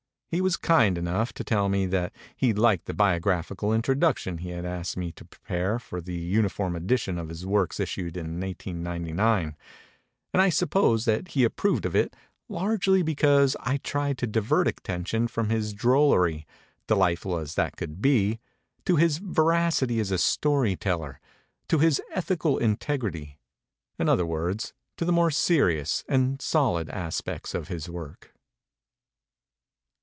He ind enough to tell me that he liked the biographical introduction he IKK! asked me to prepare for the uniform edition of his works issued in 1899; and I suppose that he approved of it largely }> I tried to divert attention from his drollery, delightful as that could IK . to ity as a story teller, and to his ethical integrity in other word to the more s and solid aspects of his work.